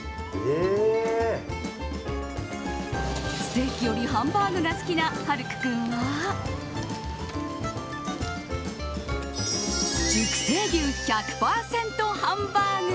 ステーキよりハンバーグが好きな晴空君は熟成牛１００％ハンバーグ。